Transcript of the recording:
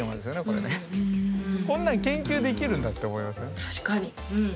こんなん研究できるんだって思いません？